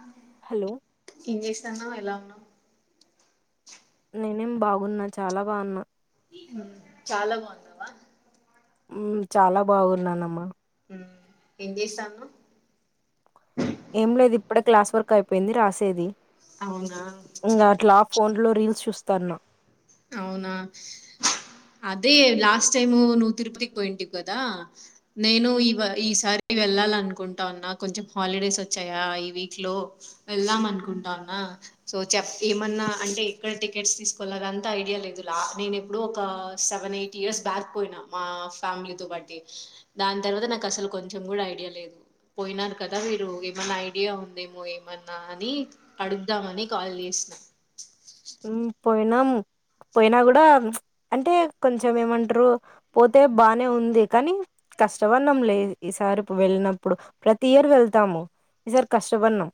ఓ hello ఏం చేస్తానావ్ ఎలా ఉన్నావ్ [unintelligible] నేనేం బాగున్నా చాలా బాగున్నా చాలా బాగున్నావా చాలా బాగున్నానమ్మా ఎం చేస్తానావ్ ఏం లేదు ఇప్పుడే క్లాస్ వర్క్ అయిపోయింది రాసేది అవునా ఇంకా అట్లా ఆ ఫోన్ లో రీల్స్ చూస్త తన్నా అవునా అదే లాస్ట్ టైము నువ్వు తిరుపతికి పోయింటి్ కదా నేను ఈ ఈసారి వెళ్ళాల అనుకుంటా ఉన్నా కొంచెం హాలిడేస్ వచ్చాయా ఈ వీక్ లో వెళ్దాం అనుకుంటా ఉన్నా సో చెప్ ఏమన్నా అంటే ఎక్కడ టికెట్స్ తీసుకోలరా త ఐడియా లేదు ల నేనెప్పుడో ఒక సెవెన్ ఎయిట్ ఇయర్స్ బ్యాక్ పోయ్నా మా ఫ్యామిలీతోపాటి దాన్ తర్వాత నాకస్సల్ కొంచెం కూడా ఐడియా లేదు పోయ్నారు కదా మీరు ఏమన్నా ఐడియా ఉందేమో ఏమన్నా అని అడుగుదామని కాల్ చేస్నా ఉమ్ పోయ్నామ్ పోయిన కూడా అంటే కొంచెం ఏమంటర్రు పోతే బానే ఉంది కానీ కష్టపడినమ్లే ఈసారి ప్ వెళ్ళినప్పుడు ప్రతి ఇయర్ వెళ్తాము ఈసారి కష్టపడనమ్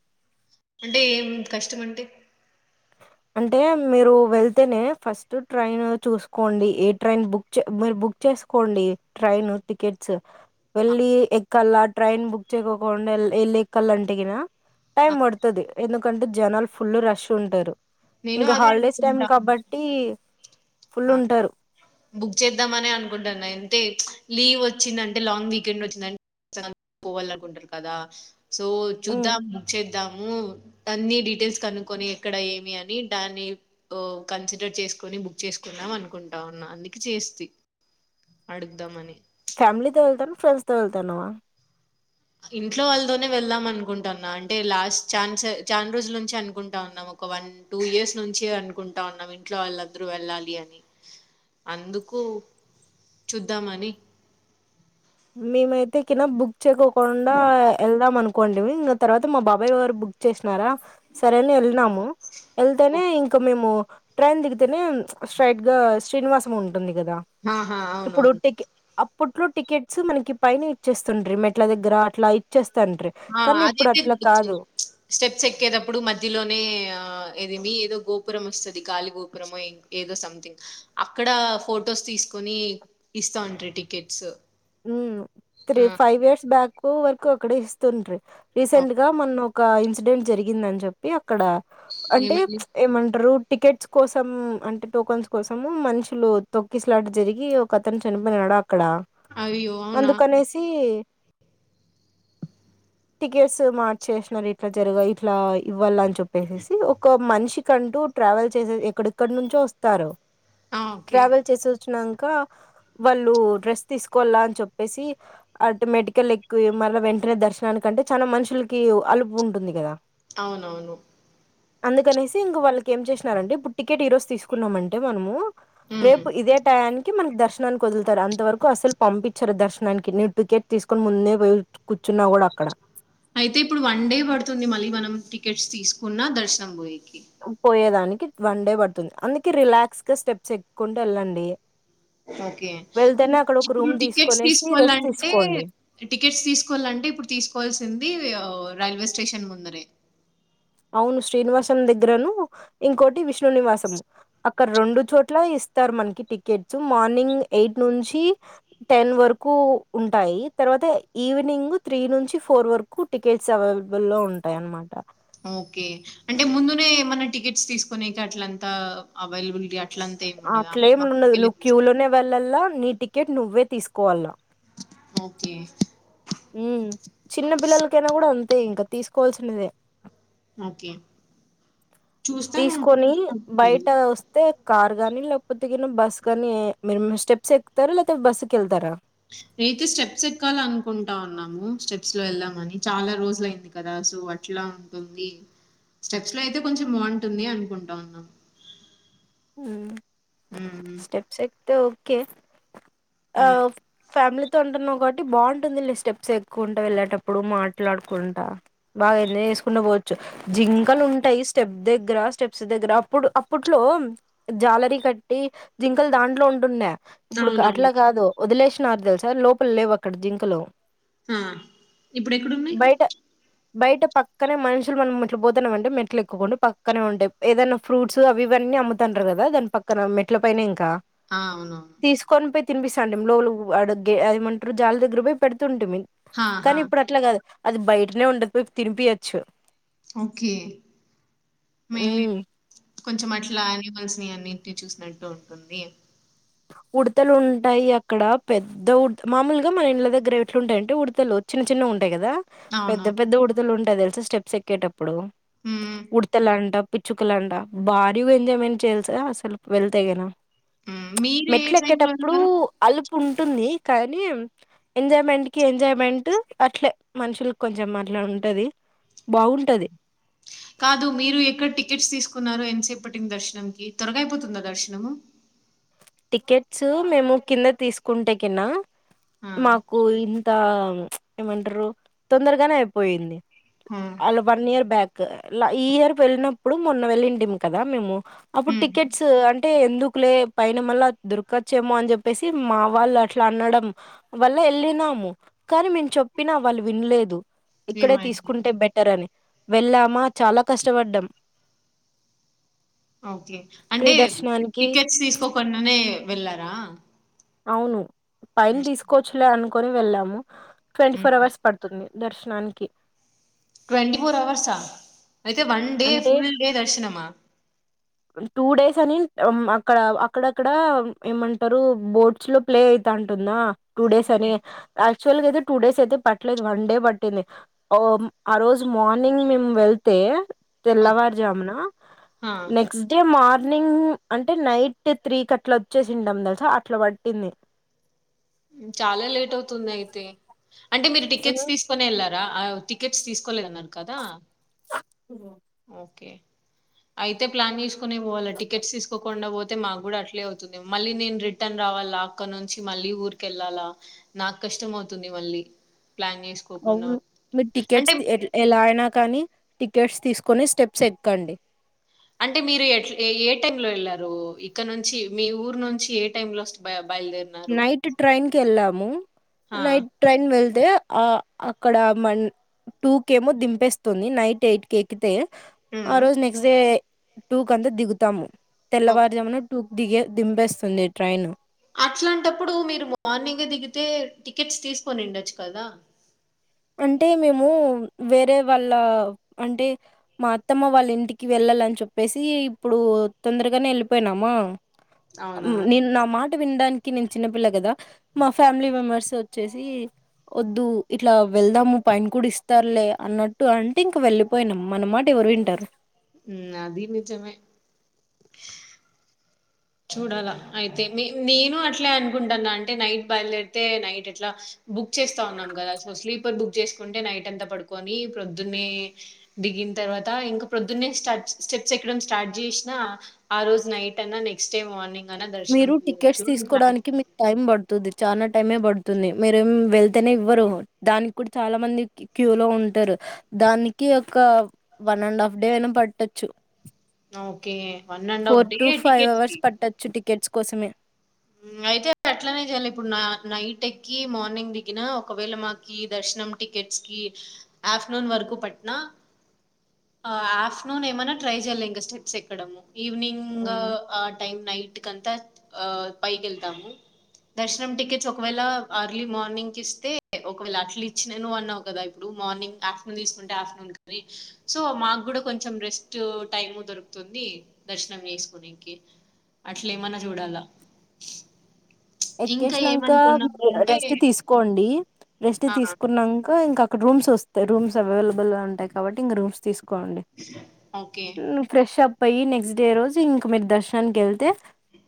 అంటే ఏం కష్టం అంటే అంటే మీరు వెళ్తేనే ఫస్ట్ ట్రైన్ చూసుకోండి ఏ ట్రైన్ బుక్ చే మీరు బుక్ చేసుకోండి ట్రైన్ టికెట్స్ ఆ! వెళ్ళి ఎక్కలా ట్రైన్ బుక్ చేకోండా ఎల్ ఎళ్ళి ఎక్కాల అంటేగిన టైం ఆ! పడుతుంది ఎందుకంటే జనాలు ఫుల్ రష్ ఉంటారు నేను ఇంకా అదే హాలిడేస్ టైం అనుకుంటాను కాబట్టి ఫుల్ ఉంటారు బుక్ చేద్దామని అనుకుంటాన్న తే లీవ్ వచ్చిందంటే లాంగ్ వీకెండ్ వచ్చినన్ పోవాలనుకుంటారు కదా సో హ్మ్. చూద్దాం బుక్ చేద్దాము అన్ని డీటెయిల్స్ కనుక్కొని ఎక్కడ ఏమి అని దాన్ని కన్సిడర్ చేసుకొని బుక్ చేసుకుందాం అనుకుంటా ఉన్నా అందుకు చేస్తి అడుగుదామని ఫ్యామిలీతో వెళ్తున్ ఫ్రడ్స్తో వెళ్తున్నావా ఇంట్లో వాళ్ళతోనే వెళ్దాం అనుకుంటన్నా అంటే లాస్ట్ ఛాన్స్ చాన్ రోజుల నుంచి అనుకుంటాన్నాం ఒక వన్ టూ ఇయర్స్ నుంచి అనుకుంటా ఉన్నాం ఇంట్లో వాళ్ళద్దరూ వెళ్ళాలి అని అందుకు చూద్దామని మేమైతే కినా బుక్ బుక్ చేయకుండా వెళ్దాం అనుకు కొంటిమి ఇంకా తర్వాత మా బాబాయ్ వరు బుక్ చేసినారా సరే అని వెళ్ళినము వెళ్తానే ఇంకా మేము ట్రైన్ దిగితేనే స్ట్రట్ గా శ్రీనివాసం ఉన్ ఉంటంది కదా ఆహా ఇప్పుడు అవునవును ఉట్టికి అప్ ఫుట్లూ టిక్ కిట్స్ మనకి పైన ఇచ్చేస్తుండ్రి మెట్ల దగ్గర అట్లా ఇచ్చేస్త ఆ అదైతే ఉండొచ్చు స్టెప్స్ ఎక్కేటప్పుడు మధ్యలోనే ఆ ఇది ఏమి ఏదో గోపురం వస్తది, గాలి గోపురం ఏదో సంథింగ్ అక్కడ ఫొటోస్ తీసుకొని ఇస్తాండ్రి టికెట్స్ హ్మ్ త్రీ ఆ! ఫైవ్ ఇయర్స్ బ్యాకు వ క్ అక్కడ ఇస్తుండ్రి అవ్ రీసెంట్ గా మన్న ఒక ఇన్సిడెంట్ జరిగింది అని చెప్పి అక్కడ అంటే ఏమైంది? ఏమంటారు టికెట్స్ కోసం అంటే టోకన్స్ కోసము, మనుషులు తొక్కిసలాట జరిగి ఒక అతను చనిపోయినాడ అక్కడ అయ్యో! అవునా? అందుకనేసి టికెట్స్ మార్చేసినన్నారు ఇట్లా జరుగా ఇట్లా ఇవ్వాల చెప్పేసేసి ఒక మనిషి అంటూ ట్రావెల్ చేసే ఎక్కడక్కడ నుంచో వస్తారు ఆ! ఓకే. ట్రావెల్ చేసి వచ్చినం క వాళ్ళు డ్రెస్ తీసుకు కోళ్ల అని చెప్పేసి అటు మేటికల్ ఎక్కి, మళ్ళ వెంటనే దర్శనానికంటే చాలా మనుషులకి అలుపు ఉంటుంది కదా అవునవును అందుకనేసి ఇంకా వాళ్ళకి ఏం చేసినారంటే, ఇప్పుడు టికెట్ ఈ రోజు తీసుకున్నామంటే మనము హ్మ్. రేపు ఇదేటయానికి కి మనకు దర్శనానికి వదులుతారు అంత వరకు అసలు పంపించారు దర్శనానికి నేను టికెట్ తీసుకొని ముందే పోయి కూర్చున్నా కూడా అక్కడ అయితే ఇప్పుడు వన్ డే పడుతుంది మళ్ళీ మనం టికెట్స్ తీసుకున్నా దర్శనం పోయ పోయేదా వన్ డే పడుతుంది అందుక రిలాక్స్ గా స్టెప్స్ ఎక్కుంటే వెళ్ళండి ఓకే వెళ్తేనే అక్కడ ఒక ఇప్పుడు రూమ్ టికెట్స్ తీసుకొనేసి రెస్ట్ తీసుకోవాలంటే, తీసుకోండి టికెట్స్ తీసుకోవాలంటే ఇప్పుడు తీసుకోవాల్సింది రైల్వే స్టేషన్ ముందరె అవును శ్రీనివాసం దగ్గరను, ఇంకోటి విష్ణునివాసం, అక్కడ రెండు చోట్ల ఇస్తారు మనకి టికెట్స్, మార్నింగ్ ఎయిట్ నుంచి టెన్ వరకు ఉంటాయి, తర్వాత ఈవినింగ్ త్రీ నుంచి ఫోర్ వరకు టికెట్స్ అవైలబుల్ లో ఉంటాయ అనమాట. ఓకే అంటే ముందునే ఏమన్నా టికెట్స్ తీసుకునే అట్లంతా అవైలబిలిటీ అట్లంతా ఏముండదా? అట్లేం ను మాకుడికెళ్ళి నువ్వు క్యూ తీసుకోవాలి. లోనే వెళ్ళలా నీ టికెట్ నువ్వే తీసుకోవాలా ఓకే ఉ చిన్న బిల్లకినా కూడా అ తె ఇంకా తీసుకోవాల్సినదే ఓకే చూస్తాను తీసుకొని చూస్తానుళ్ళ బయట వస్తే కార్ కాగాని లేకపోతే ఏ బస్సు గాని మ స్టెప్స్ ఎక్కుతారా లేకపోతే బస్సుకి వెళ్తారా నేయితే స్టెప్స్ ఎక్కాల అనుకుంటా ఉన్నాము స్టెప్స్ లో వెళ్ళామని చాలా రోజులు అయింది కదా సో అట్లా ఉంటుంది స్టెప్స్ లో అయితే కొంచెం బాగుంటుంది అనుకుంటా ఉన్నాము స్టెప్స్ ఎక్తే ఓ కే అ హ్మ్. ఫ్యామిలీ తో ఉంటున్నావు కాట్టి బాగుంటుంది లే స్టెప్స్ ఎక్కువ ఉంటా వెళ్ళేటప్పుడు మాట్లాడుకుంటా బాగా ఎంజాయ్ చేసుకుంటడా పోవచ్చు జింకలు ఉంటాయి స్టెప్ దగ్గర స్టెప్స్ దగ్గర అప్పుడు అప్పట్లో జాలరీ కట్టి జింకలు దాంట్లో ఉంటున్నాయి ఇప్పుడు అవునవును. అట్లా కాదు వదిలేశ నారు తెల్సా లోపల లేవు అక్కడ జింకలో ఆ ఇప్పుడ ఎక్కడున్నయి బయట పక్కనే మనుషులు మనం మెట్లు పోతున్నాంమంటే మెట్లు ఎక్కుండా పక్కనే ఉంటాయి ఏదైనా ఫ్రూట్స్ అవి ఇవన్నీ అమ్ము తుంటారు కదా దాని పక్కన మెట్ల పనే ఇంకా ఆ అవునవును తినిపిస్తంటది లోలు అడ ఏమంటారు జాలి దగ్గర పోయి పెడు తుంటే మీ హా! కానీ హా! ఇప్పుడు అట్లా కాదు అది బయటనే ఉండదు పోయి తినిపియచ్చు ఓకే మేమీ ఉమ్ కొంచెం అట్లా అనిమల్స్ ని అన్నింటి చూసినట్టు ఉంటుంది ఉడతలు ఉంటాయి అక్కడ పెద్ద ఉ మామూలుగా మన ఇండ్ళ దగ్గర ఎట్లు ఉంటాయంటే ఉడతలు చిన్న చిన్న ఉంట ంటయి కదా పెద్ద అవునవును. పెద్ద ఉడతలు ఉంటాయి తెలు స్టెప్స్ ఎక్కేటపు ప్పుడు హ్మ్. ఉడతలాంట పిచ్చుకలంట భాడి ఏంది ఏమైనా చేల్సా అసలు వెళ్తేగనా ఉం మెట్లు ఎక్కేటప్పుడు అలు ఉంటుంది కానీ ఎంజాయ్మెంట్ కి ఎంజాయ్మెంట్ అట్లే మనుషుల కొంచెం అట్లా ఉంటది బాగుంటది కాదు మీరు ఎక్కడ టికెట్స్ తీసుకున్నారో ఎంతసేపట్టింది దర్శనంకి త్వరగాయిపోతుందా దర్శనము టికెట్స్ మేము కింద తీసుకుంటే కిన్నా ఆ! మాకు ఇమ్మ్ తా ఎమంటరు తొందరగానే అయిపోయింది హ్మ్. అల్ వన్ ఇయర్ బ్యాక్ ల ఈ ఇయర్ వెళ్ళినప్పుడు మొన్న వెళ్ళింటిం కదా మేము అప్పుడు హ్మ్. టికెట్స్ అంటే ఎందుకులే పైన మల్ల దొరకొచ్చేమో అంచేపేసి మా వాళ్ళు అట్లా అనడం వల్ల ఎల్లినాము కానీ మేము చెప్పినా వాళ్ళు వినలేదు ఇక్కడే ఏమైంది? తీసుకుంటే బెటర్ అని వెళ్ళామా చాలా కష్టపడ్డాం ఓకే అంటే ప్రియదర్శనానికి టికెట్స్ తీసుకోకున్న అనే వెళ్ళారా అవును పైన తీసుకోవచ్చలే అను కొని వెళ్ళాము ట్వంటీ ఫోర్ హ్మ్. అవర్స్ పడుతుంది దర్శనానికి ట్వెంటీ ఫోర్ అవర్స్ ఆ అయితే వన్ డే అంటే ఫుల్ డే దర్శనమా టూ డేస్ అని మ్మ్ అక్క అక్కడక్కడ ఏమంటారు బోర్ట్స్ లో ప్లే అయితాంటుందా టూ డేస్ అని ఓకే. యాక్టువల్గయతే టూ డేస్ అయితే పట్టలేదు వన్ డే పట్టింది హమ్ ఆ రోజు మార్నింగ్ మేము వెళ్తే ఓకే. తెల్లవారుజామునా ఆ! అంటే మార్నింగ్ అంటే నైట్ త్రీకి అట్లా వచేసింతం తెలుసా అట్లా పట్టింది హమ్ చాలా లేట్ అవుతుంది అయితే అంటే మీరు ఉ టికెట్స్ తీసుకునే ఎల్లారా రా ఆ టికెట్స్ తీసుకోలేదన్నారు కదా ఓకే అయితే ప్లాన్ తీస్కో తీస్కునే పోవాల టిట్స్ తీసుకోకుండా పోతే అయితే మాకు కూడా అట్లే అవుతుంది మళ్ళీ నేను రిటర్న్ రావాలా అక్కడ నుంచి మళ్ళీ ఊరికెళ్లల నాకు కష్టం అవుతుంది మళ్ళీ ప్లాన్ చేసుకోకుండా అవును మీరు అంటే టికెట్స్ ఎట్ ఎలా అయినా కానీ టికెట్స్ తీసుకొని స్టెప్స్ ఎక్కండి అంటే మీరు ఎట్లా ఏ టై లో వెళ్ళారు ఇక్కడ నుంచి మీ ఊరు నుంచి ఏ టైంలో [unintelligible] నైట్ ట్రైన్ కి ఎల్లమ్మ్ ము ఆ నైట్ ట్రైన్ వేల్ అయితే ఆ అక్కడ మన్ టూ కే ఏమో దింపేస్తుంది నైట్ యైటి కెక్కుతే ఆ రోజు నెక్ట్స్ డే టూ కాంత దిగుతాము ఉమ్ తెల్లవారుజామున టూ డీగే దింపేస్తుంది ట్రైను అట్లాంటప్పుడు మీరు మార్నింగ్ దిగితే టికెట్స్ తీసుకొని ఉండొచ్చు కదా అంటే మేము వేరే వాళ్ళ అంటే మా అత్తమ్మ వాళ్ళ ఇంటికి వెళ్ళాలని చెప్పేసి ఇప్పుడు తొందరగానే వెళ్ళిపోయినామా అవునా నేను నా మాట వినడా నీకి కిన్ నే చిన్న పిల్ల కదా మా ఫ్యామిలీ మెంబర్స్ వచ్చేసి వద్దు ఇట్లా వెళ్దాము పైన కూడా ఇస్తారులే అన్నట్టు అంటే ఇంక వెళ్ళిపోయినాము, మన మాట ఎవరు వింటారు. మ్ అది నిజమే చూడాలా అయితే నేను అట్లే అనుకుంటాన్నా, అంటే నైట్ బయలుదేరితే నైట్ ఎట్లా బుక్ చేస్తా ఉన్నాం కదా సో స్లీపర్ బుక్ చేసుకుంటే నైట్ అంత పడుకొని, ప్రొద్దున్నే దిగిన తర్వాత ఇంకా ప్రొద్దున్నే స్ట స్టెప్స్ ఎక్కడ స్టార్ట్ చేసినా ఆ రోజు నైట్ అన్నా నెక్ నెక్ట్స్ డే మార్నింగ్ మీరు టికెట్స్ అని ప్లాన్ తీసుకోవడానికి మీకు టైం పడుతుంది చాలా టైమే పడుతుంది మీరే ఏమి వెళ్తేనే ఇవ్వరు, దానికి కూడా చాలా మంది క్యూ లో ఉంటారు, దానికి ఒక వన్ అండ్ హాఫ్ డే అయినా పట్టొచ్చు. ఆహ్ ఒకే ఫోర్ టు ఫైవ్ అవర్స్ పట్టొచ్చు టికెట్స్ కోసమే మ్ అయితే అట్లనే చెయాలి, ఇప్పుడు నైట్ ఎక్కి మార్నింగ్ దిగిన ఒకవేళ మాకి దర్శనం టికెట్స్ కి, ఆఫ్టర్నూన్ వరకు పట్టిన, ఆఫ్టర్నూన్ ఏమైనా ట్రై చెయాలి ఇంకా స్టెప్స్ ఎక్కడము ఈవినింగ్ ఉమ్ ఆ టైమ్ నైట్కికి నీకంత ఆహ్ పైకి వెళ్తాము, దర్శనం టికెట్స్ ఒకవేళ అర్లీ మార్నింగ్ ఇస్తే, ఒకవేళ అట్లు ఇచ్చినను అన్నావు కదా ఇప్పుడు మార్నింగ్ ఆఫ్టర్నూన్ తీసుకుంటే ఆఫ్టర్నూన్ కాని సో మాకు కూడా కొంచెం రెస్ట్ టైమ్ దొరుకుతుంది, దర్శనం వేసుకోనికి, అట్ల ఏమైనా చూడాలా ఇంకా ఎక్కేసినంక ఏమనుకున్నామంటే రెస్ట్ తీసుకోండి రెస్ట్ ఆ! తీసుకున్నాక ఇంక్ రూమ్స్ వస్తాయి, రూమ్స్ అవైలబ్ ఉంటాయి కాబట్టి ఇంకా రూమ్స్ తీసు డి ఓకే. మ్ ఫ్రెష్ అప్ పోయి నెక్స్ట్ డే రోజు ఇంకా మీరు దర్శనానికి వెళ్తే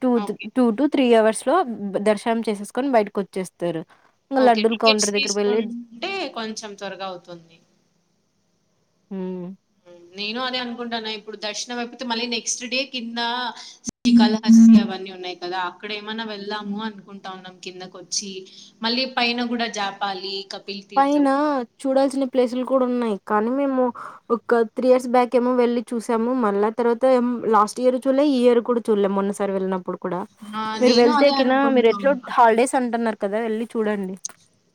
టత్ ఓకే. టూ త్రీ అవర్స్ స్లోబ్ బ దర్శనం చేసేసుకొని బయటకు వచ్చేస్తారు ఇంక ఓకే లడ్డూలు టికెట్స్ కౌంటర్ దగ్గర వెళ్ళి తీసుకుంటే కొంచెం త్వరగా అవుతుంది మ్ నేను అదే అనుకుంటాన్నా, ఇప్పుడు దర్శనం అయిపోతే మళ్ళీ నెక్స్ట్ డే కింద శ్రీకాళహస్తి అవన్నీ ఉన్నాయి, కదా అక్కడ ఏమైన్నా వెళ్దాము అనుకుంటాన్నాం కిందక వచ్చి, మళ్ళీ పైన కూడా జాపాలి కబ్ పైన చూడాల్సిన ప్లేసుల ఇప్పుడు కూడా ఉన్నాయి, కానీ మేము ఒక త్రీ ఇయర్స్ బ్యాక్ ఏమో వెళ్ళి చూసాము, మళ్ళా తర్వాత లాస్ట్ ఇయర్ చూడలే ఈ ఇయర్ కూడా చూడలేము మొన్నసారి వెళ్ళినప్పుడు ఆ! మీరు నేను వెళ్తే అదే కిన మీరు అనుకుంటా ఎట్లు ఉన్నా. హాలిడేస్ అంటున్నారు కదా వెళ్ళలి చూడండి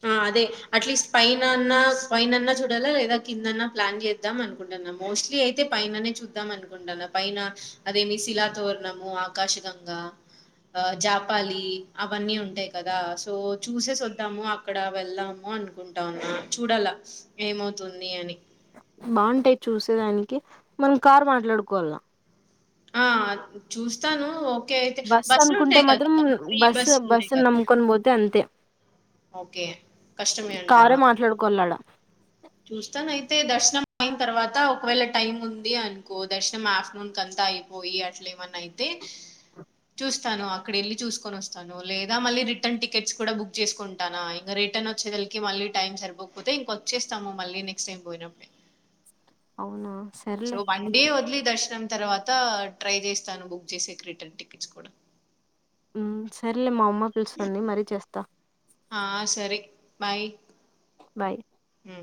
ఆ అదే అట్లీస్ట్ పైన అన్నా, పన్ అన్నా చూడాలా లేదా కిందన్నా ప్లాన్ చేద్దాం అనుకుంటున్నా, మోస్ట్లీ అయితే పైననే చూద్దాం అనుకుంటును పైన అదేమి శిలాతోరణము, ఆకాశగంగా ఆ జాపాలి అవన్నీ ఉంటాయి, కదా సో చూసే చ వద్దాము అక్కడ వెళ్ళాము అనుకుంటన్నా చూడాల ఏమవుతుంది అని బాగుంటాయి చూసేదానికి మనం కారు మాట్లాడుకోవాల ఆ చూస్తాను అయితే బస్సు బస్సులు అనుకుంటే ఉంటాయి కదా మాత్రం ఫ్రీ బస్సు బస్సులు ఉంటాయి బస్ కదా నమ్ముకొని పోతే అంతే ఓకే కష్టమే అంటవా కారే మాట్లాడుకోవాలాడ చూస్తాన అయితే అయితే దర్శనం అయిన తర్వాత ఒకవేళ టైమ్ ఉంది అనుకో, దర్శనం ఆఫ్టర్నూన్ కంతా అయిపోయి అట్ల ఏమన్నా అయితే, చూస్తాను అక్కడ వెళ్ళి చూసుకొని వస్తాను, లేదా మళ్ళీ రిటర్న్ టికెట్స్ కూడా బుక్ చేసుకు ఇంకా రిటర్న్ వచ్చేదలకి మళ్ళీ టైం సరిపోకపోతే ఇంక వచ్చేస్తాము, మళ్ళీ నెక్స్ట్ టైం పోయినప్పుడే అవునా సో సర్లే వన్ డే ఓదిలీ దర్శనం తర్వాత ట్రై చేస్తాను బుక్ చేసే రిటర్న్ టికెట్స్ కూడా ఉ సరేలే మా అమ్మ పిలుస్తుంది మరీ చేస్తా ఆ సరే బాయ్ బాయ్ హ